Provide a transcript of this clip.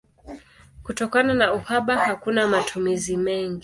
Kutokana na uhaba hakuna matumizi mengi.